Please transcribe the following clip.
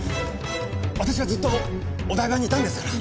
私はずっとお台場にいたんですから！